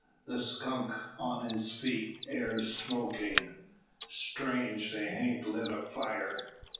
The skunk on his feet air smokin'. Strange they hain't lit a fire!